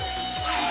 はい！